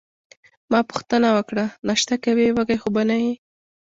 ما پوښتنه وکړه: ناشته کوې، وږې خو به نه یې؟